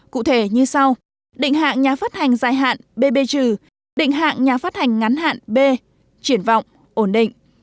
cụ thể như sau định hạng nhà phát hành dài hạn bb trừ định hạng nhà phát hành ngắn hạn b triển vọng ổn định